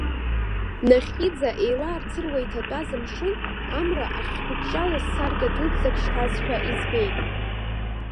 Нахьхьиӡа еилаарцыруа иҭатәаз амшын, амра ахьхыҷҷалоз саркьа дуӡӡак шьҭазшәа избеит.